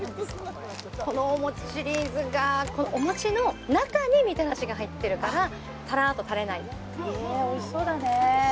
このお餅シリーズがお餅の中にみたらしが入ってるからタラッと垂れないえっおいしそうだね